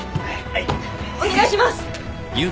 はい。